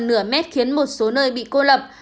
nửa mét khiến một số nơi bị cô lập